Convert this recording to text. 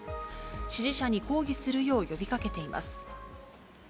支持者に抗議するよう呼びかけています。